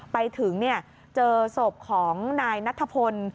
ไปถึงเจอศพของนายนัทพล